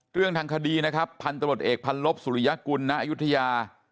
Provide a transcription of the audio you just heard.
เรื่องทางคดีพันธุ์ตำรวจเอกพันธุ์ลบสุริยกุลณอายุทยา